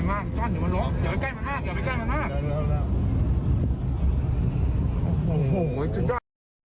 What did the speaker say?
นำมาไปตาม